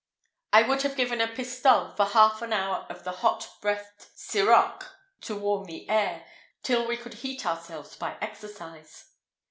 I would have given a pistole for half an hour of the hot breathed siroc to warm the air till we could heat ourselves by exercise.